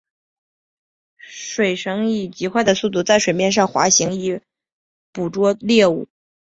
水黾以极快的速度在水面上滑行以捕捉猎物。